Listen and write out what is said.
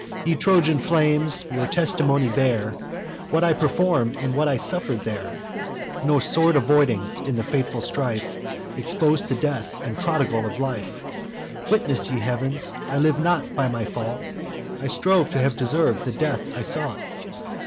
Ye Trojan flames, your testimony bear, What I perform'd, and what I suffer'd there; No sword avoiding in the fatal strife, Expos'd to death, and prodigal of life; Witness, ye heavens! I live not by my fault: I strove to have deserv'd the death I sought.